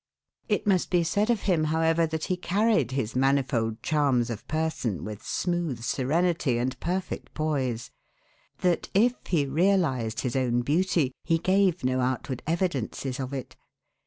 It must be said of him, however, that he carried his manifold charms of person with smooth serenity and perfect poise; that, if he realized his own beauty, he gave no outward evidences of it.